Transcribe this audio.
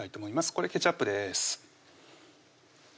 これケチャップです